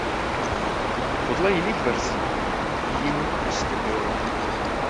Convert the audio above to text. Podle jiných verzí jím prostě byl.